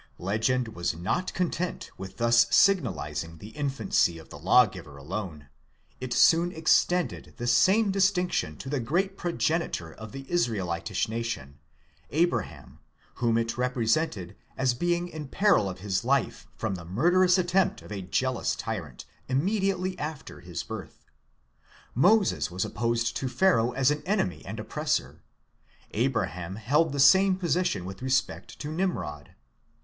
Legend was not content with thus signalizing the infancy of the lawgiver alone—it soon extended the same distinction to the great progenitor of the Israelitish nation, Abraham, whom it represented as being in peril of his life from the murderous attempt of a jealous tyrant, immediately after his birth, Moses was opposed to Pharaoh as an enemy and oppressor ; Abraham held the same position with respect to Nimrod.